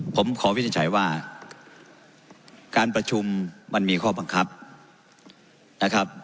ผมขอวินิจฉัยว่าการประชุมมันมีข้อบังคับนะครับ